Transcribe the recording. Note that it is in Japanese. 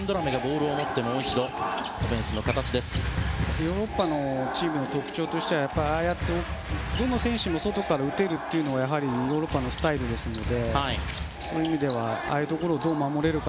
ヨーロッパのチームの特徴としてはどの選手も外から打てるというのがヨーロッパのスタイルですのでそういう意味ではああいうところをどう守れるか。